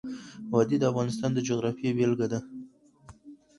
وادي د افغانستان د جغرافیې بېلګه ده.